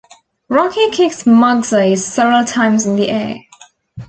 Rocky kicks Mugsy several times in the air.